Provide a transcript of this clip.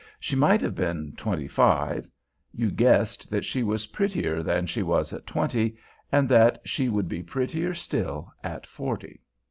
She might have been twenty five; you guessed that she was prettier than she was at twenty, and that she would be prettier still at forty.